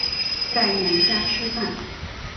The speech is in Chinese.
在娘家吃饭